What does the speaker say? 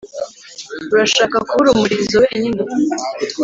urashaka kubura umurizo wenyine.